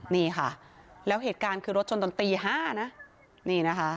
นี่ค่ะแล้วเหตุการณ์คือรถชนตอนตี๕นะนี่นะคะ